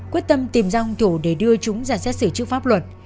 quyết tâm tìm ra hung thủ để đưa chúng ra xét xử trước pháp luật